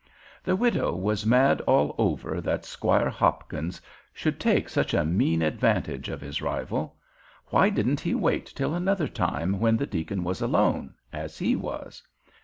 The widow was mad all over that Squire Hopkins should take such a mean advantage of his rival. Why didn't he wait till another time when the deacon was alone, as he was?